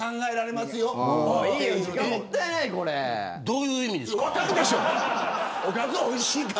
どういう意味ですか。